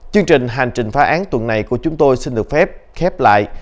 chương trình hành trình phá án tuần này của chúng tôi xin được phép khép lại